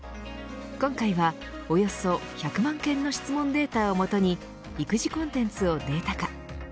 今回はおよそ１００万件の質問データをもとに育児コンテンツをデータ化。